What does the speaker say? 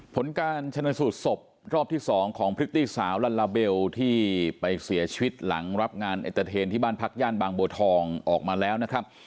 ผลการชนสูตรศพรอบที่๒ของพริตตี้สาวลัลลาเบลที่ไปเสียชีวิตหลังรับงานเอ็นเตอร์เทนที่บ้านพักย่านบางบัวทองออกมาแล้วนะครับ